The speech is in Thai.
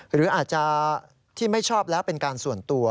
หรืออาจจะที่ไม่ชอบแล้วเป็นการส่วนตัว